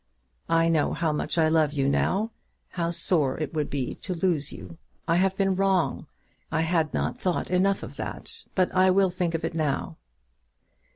I know how much I love you now, how sore it would be to lose you. I have been wrong. I had not thought enough of that, but I will think of it now."